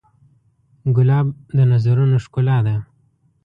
ګلاب د نظرونو ښکلا ده.